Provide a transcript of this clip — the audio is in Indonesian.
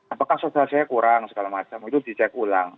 apakah sosialisasi kurang segala macam itu dicek ulang